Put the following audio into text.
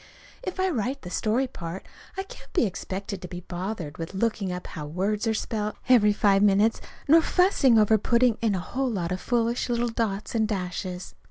If I write the story part, I can't be expected to be bothered with looking up how words are spelt, every five minutes, nor fussing over putting in a whole lot of foolish little dots and dashes.